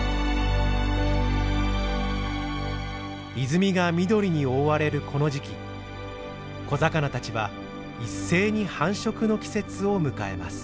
泉が緑に覆われるこの時期小魚たちは一斉に繁殖の季節を迎えます。